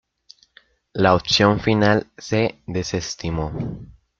La opción, finalmente, se desestimó.